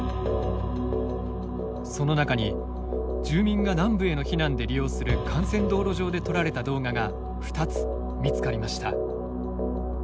その中に住民が南部への避難で利用する幹線道路上で撮られた動画が２つ見つかりました。